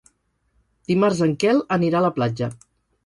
Dimarts en Quel anirà a la platja.